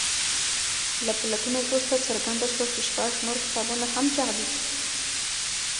له پلټنو وروسته څرګنده شوه چې شپږ نور کتابونه هم جعلي دي.